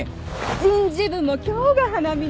人事部も今日が花見なの。